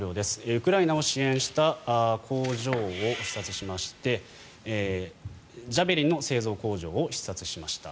ウクライナを支援した工場を視察しましてジャベリンの製造工場を視察しました。